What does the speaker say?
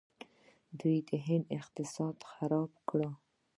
دوی د هند اقتصاد خراب کړ.